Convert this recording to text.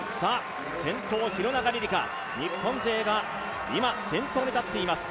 先頭、廣中璃梨佳、日本勢が今、先頭に立っています。